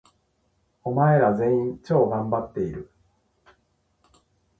お前ら、全員、超がんばっている！！！